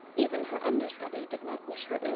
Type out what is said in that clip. Even her under study did not wish her ill.